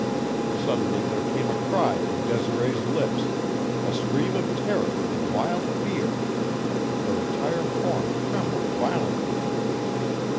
Suddenly there came a cry from Desiree's lips a scream of terror and wild fear. Her entire form trembled violently.